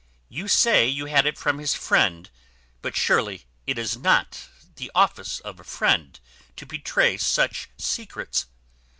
You say you had it from his friend; but surely it is not the office of a friend to betray such secrets."